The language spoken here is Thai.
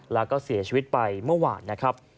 แล้วก็เสียชีวิตไปเมื่อวานนะครับ